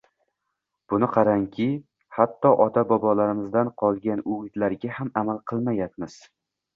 Buni qarangki, hatto ota-bobolarimizdan qolgan o‘gitlarga ham amal qilmayapmiz